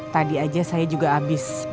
tadi aja saya juga habis